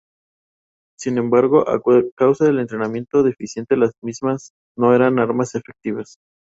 Sin embargo, a causa del entrenamiento deficiente las mismas no eran armas efectivas.